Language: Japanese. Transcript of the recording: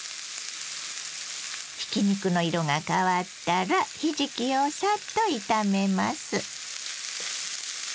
ひき肉の色が変わったらひじきをさっと炒めます。